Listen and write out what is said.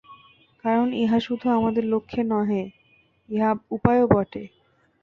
কারণ, ইহা শুধু আমাদের লক্ষ্য নহে, ইহা উপায়ও বটে।